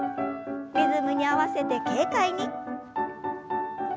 リズムに合わせて軽快に。